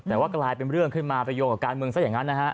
แต่ว่ากลายเป็นเรื่องขึ้นมาไปโยงกับการเมืองซะอย่างนั้นนะฮะ